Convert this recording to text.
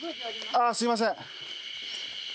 あっすいません。